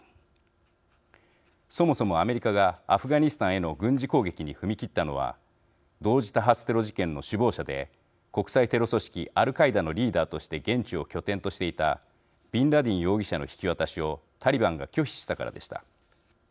そもそもアメリカがアフガニスタンへの軍事攻撃に踏み切ったのは同時多発テロ事件の首謀者で国際テロ組織アルカイダのリーダーとして現地を拠点としていたビンラディン容疑者の引き渡しをタリバンが拒否したからでした。